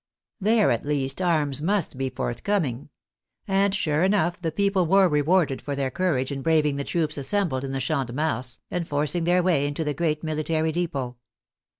There at least arms must be forthcoming. And sure enough the people were rewarded for their courage in braving the troops assembled in the Champ de Mars, and forcing their way into the great military depot.